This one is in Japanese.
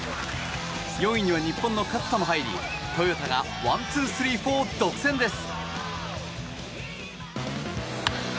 ４位には日本の勝田も入りトヨタがワンツースリーフォー独占です。